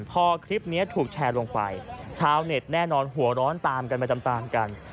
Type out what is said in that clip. พอคลิปนี้ถูกแชร์ลงไปชาวเน็ตแน่นอนหัวร้อนตามกันไปตามตามกัน